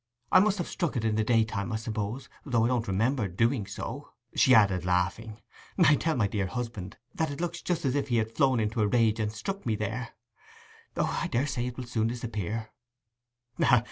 I must have struck it in the daytime, I suppose, though I don't remember doing so.' She added, laughing, 'I tell my dear husband that it looks just as if he had flown into a rage and struck me there. O, I daresay it will soon disappear.